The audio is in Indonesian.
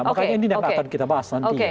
makanya ini yang akan kita bahas nanti